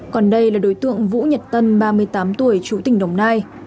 còn đây là đối tượng vũ nhật tân ba mươi tám tuổi chú tỉnh đồng nai